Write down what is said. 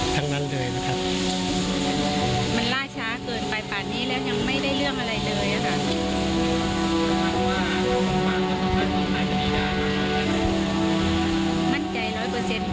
มันล่าช้าเกินไปป่านอีกแล้วยังไม่ได้เรื่องเลย